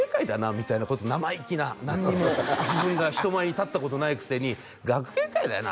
みたいなこと生意気な何にも自分が人前に立ったことないくせに「学芸会だよな」